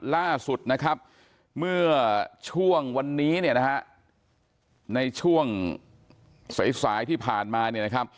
ล่าสุดนะครับเมื่อช่วงวันนี้เนี่ยนะฮะในช่วงสายสายที่ผ่านมาเนี่ยนะครับ